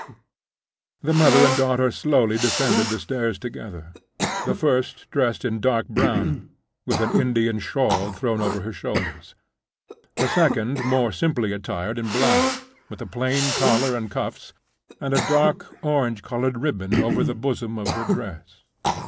The mother and daughter slowly descended the stairs together—the first dressed in dark brown, with an Indian shawl thrown over her shoulders; the second more simply attired in black, with a plain collar and cuffs, and a dark orange colored ribbon over the bosom of her dress.